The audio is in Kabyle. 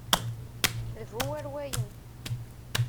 D bu warwayen.